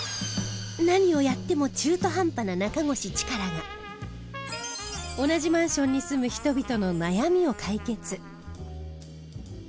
何をやっても中途半端な中越チカラが同じマンションに住む人々の悩みを解決。